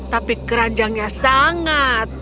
tapi keranjangnya sangat